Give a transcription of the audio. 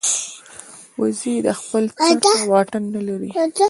وزې د خپل چرته واټن نه لري